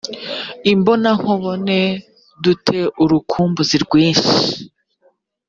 imbonankubone du te urukumbuzi rwinshi